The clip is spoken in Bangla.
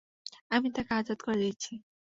আমি তাকে আযাদ করে দিয়েছি।